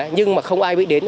nhưng mà không ai biết đến